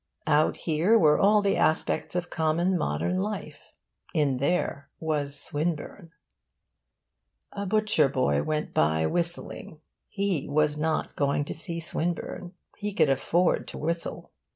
Out here were all the aspects of common modern life. In there was Swinburne. A butcher boy went by, whistling. He was not going to see Swinburne. He could afford to whistle.